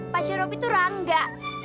pak sheropi itu rangga